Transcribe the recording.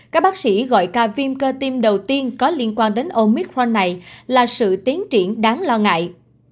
các bác sĩ gọi ca viêm cơ tim đầu tiên có liên quan đến omit frand này là sự tiến triển đáng lo ngại